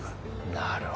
なるほど。